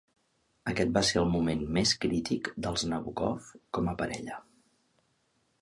Aquest va ser el moment més crític dels Nabókov com a parella.